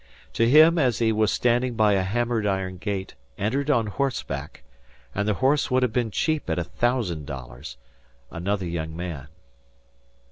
To him, as he was standing by a hammered iron gate, entered on horseback and the horse would have been cheap at a thousand dollars another young man.